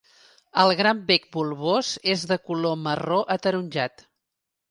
El gran bec bulbós és de color marró ataronjat.